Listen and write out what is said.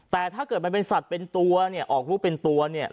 แต่ถ้าเกิดมันเป็นสัตว์เป็นตัวเนี่ยออกลูกเป็นตัวเนี่ย